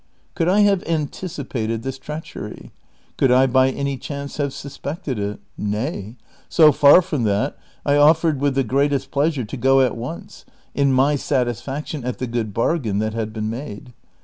Could I have anticipated this treachery ? Could I by any chance have suspected it? Nay ; so far from that, I offered with the greatest pleasure to go at once, in my satisfaction at the good bargain that had been made.